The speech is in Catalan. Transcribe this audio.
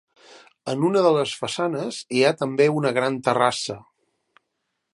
En una de les façanes hi ha també una gran terrassa.